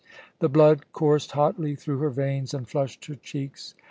The blood coursed hotly through her veins and flushed her cheeks.